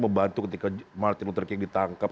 membantu ketika martin luther king ditangkap